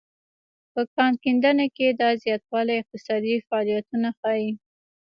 په کان کیندنه کې دا زیاتوالی اقتصادي فعالیتونه ښيي.